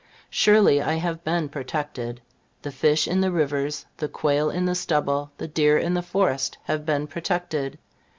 Surely, I have been protected. The fish in the rivers, the quail in the stubble, the deer in the forest, have been protected.